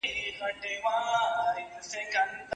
او د نیکه نکلونه نه ختمېدل